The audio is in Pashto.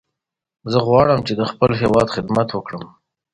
زه غواړم چې د خپل هیواد خدمت وکړم.